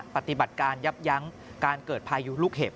ปฏิบัติการยับยั้งการเกิดพายุลูกเห็บ